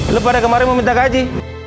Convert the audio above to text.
lu pada kemarin meminta gaji